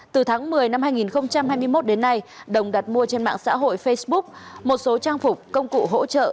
từ tháng một mươi năm hai nghìn hai mươi một đến nay đồng đặt mua trên mạng xã hội facebook một số trang phục công cụ hỗ trợ